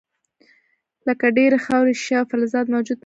لکه ډبرې، خاورې، شیشه او فلزات موجود نه وي.